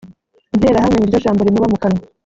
Interahamwe niryo jambo rimuba mu kanwa